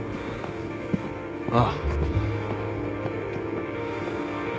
ああ。